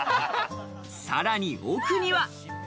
さらに奥には。